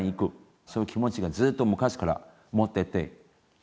そういう気持ちがずっと昔から持ってて？